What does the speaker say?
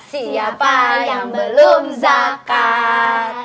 siapa yang belum zakat